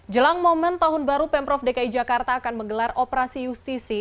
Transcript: jelang momen tahun baru pemprov dki jakarta akan menggelar operasi justisi